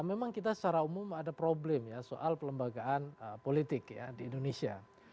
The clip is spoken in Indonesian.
memang kita secara umum ada problem ya soal pelembagaan politik ya di indonesia